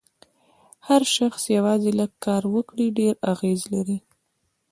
هر شخص یوازې لږ کار وکړي ډېر اغېز لري.